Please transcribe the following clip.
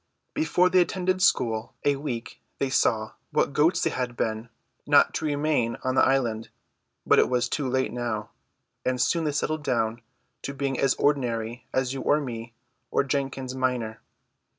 Before they had attended school a week they saw what goats they had been not to remain on the island; but it was too late now, and soon they settled down to being as ordinary as you or me or Jenkins minor.